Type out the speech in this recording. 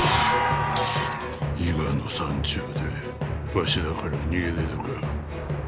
伊賀の山中でわしらから逃げれるか。